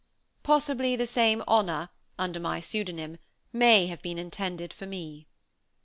Possibly the same honor, under my pseudonym, may have been intended for me.